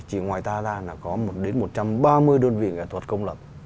chỉ ngoài ta ra là có đến một trăm ba mươi đơn vị nghệ thuật công lập